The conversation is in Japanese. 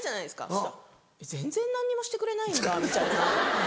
そしたら「全然何にもしてくれないんだ」みたいな。